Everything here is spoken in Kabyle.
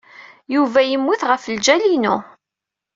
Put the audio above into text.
Yuba yemmut ɣef ljal-inu.